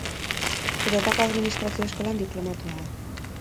Europako administrazio eskolan diplomatua da.